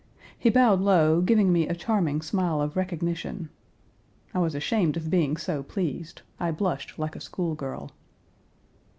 He bowed low, giving me a charming smile of recognition. I was ashamed of being so pleased. I blushed like a schoolgirl.